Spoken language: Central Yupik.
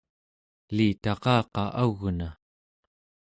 elitaqaqa au͡gna